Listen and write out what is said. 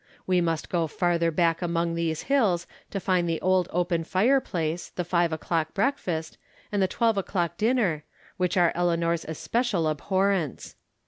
We must go farther back among these hills to find the old open fireplace, the five o'clock breakfast, and the twelve o'clock dinner, which are Elea nor's especial abhorrence.